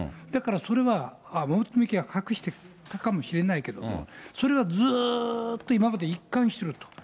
だからそれはは隠していたかもしれないけど、それはずっと今まで一貫していると。